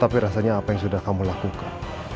tapi rasanya apa yang sudah kamu lakukan